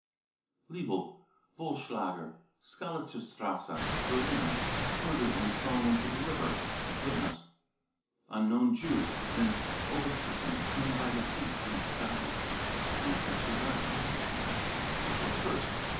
leibl vollschlager, Skalitzerstrasse, Berlin, mur dered and thrown into the river. (Witness.) unknown jew, in Oberhessen, hanged by the feet, and died. {Manchester Guardian .)« April 1st.